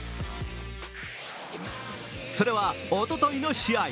それはおとといの試合。